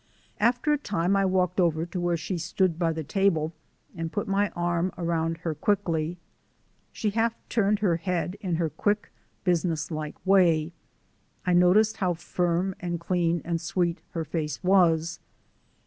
After a time I walked over to where she stood by the table and put my arm around her quickly. She half turned her head, in her quick, businesslike way. I noted how firm and clean and sweet her face was.